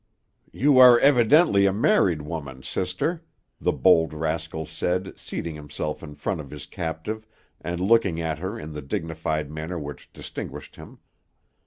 "You are evidently a married woman, sister," the bold rascal said, seating himself in front of his captive, and looking at her in the dignified manner which distinguished him.